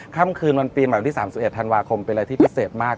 ค่ำคืนวันปีใหม่ที่๓๑ธันวาคมเป็นอะไรที่พิเศษมาก